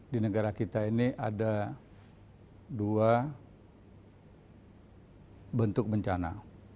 di negara kita ini ada dua bentuk bencana